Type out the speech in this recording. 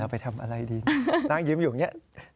ไปทำอะไรดีนั่งยิ้มอยู่อย่างนี้